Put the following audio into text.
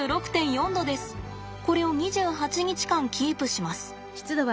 これを２８日間キープします。